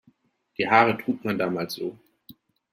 Die Haare trug man damals so.